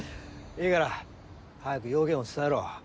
いいから早く用件を伝えろ。